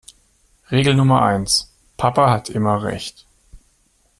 Regel Nummer eins: Papa hat immer Recht.